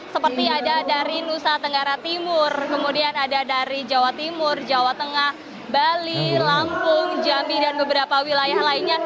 seperti ada dari nusa tenggara timur kemudian ada dari jawa timur jawa tengah bali lampung jambi dan beberapa wilayah lainnya